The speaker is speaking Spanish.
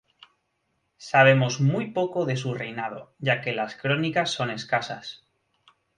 Sabemos muy poco de su reinado, ya que las crónicas son escasas.